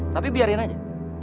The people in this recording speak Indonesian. tapi biarin aja